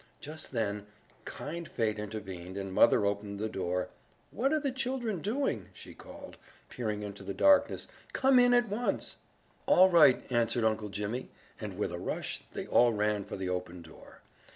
Just then, kind fate intervened, and mother opened the door. "What are you children doing?" she called, peering into the darkness. "Come in at once!" "All right," answered Uncle Jimmy, and with a rush they all ran for the open door.